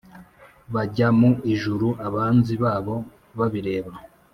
bajya mu ijuru abanzi babo babireba.